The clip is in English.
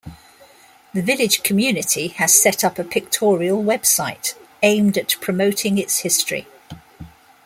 The village community has set up a pictorial website, aimed at promoting its history.